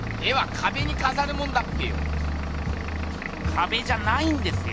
かべじゃないんですよ。